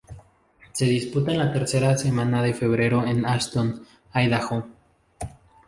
Se disputa en la tercera semana de febrero en Ashton, Idaho.